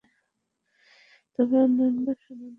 তবে অন্যান্য সনদে এর সমর্থন পাওয়া যায়।